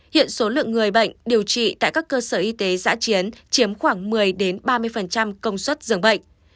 hiện số lượng người bệnh điều trị tại các cơ sở y tế giã chiến chiếm khoảng một mươi ba mươi công suất dường bệnh